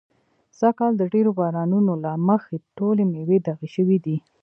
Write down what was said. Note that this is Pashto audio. سږ کال د ډېرو بارانو نو له مخې ټولې مېوې داغي شوي دي.